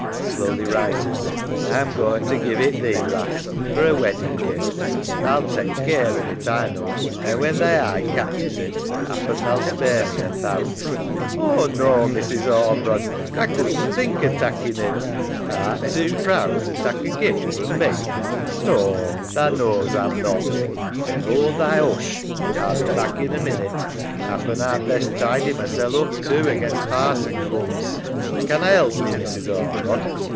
{Slowly rises) A'm going to give it thee, lass, for a weddin' gift. Tha'll tak' care of it, A knaw, and when thy eye catches it, 'appen tha'll spare me a thowt. EMMA. Oh no, Mrs. Ormerod, A couldn't think o' takkin' it. SARAH. Art too proud to tak' a gift from me? EMMA. No. Tha knaws A'm not. SARAH. Then hold thy hush. A'll be back in a minute. Happen A'd best tidy masel' up too against Parson cooms. EMMA. Can A help thee, Mrs. Ormerod?